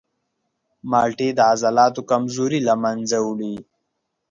مالټې د عضلاتو کمزوري له منځه وړي.